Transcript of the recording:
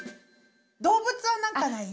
動物は何かない？